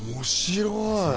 面白い。